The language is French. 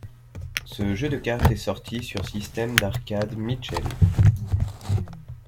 Ce jeu de carte est sorti sur système d'arcade Mitchell.